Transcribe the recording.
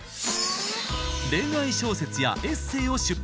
恋愛小説やエッセーを出版。